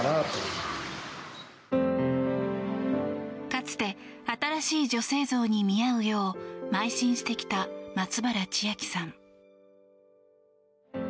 かつて新しい女性像に見合うよう邁進してきた松原千明さん。